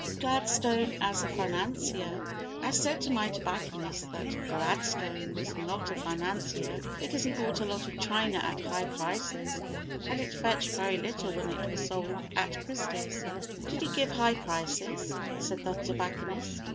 Gladstone as a Financier I said to my tobacconist that Gladstone was not a financier because he bought a lot of china at high prices and it fetched very little when it was sold at Christie's. "Did he give high prices?" said the tobacconist.